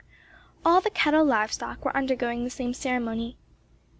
All the castle live stock were undergoing the same ceremony.